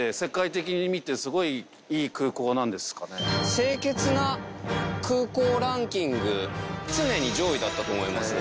清潔な空港ランキング常に上位だったと思います。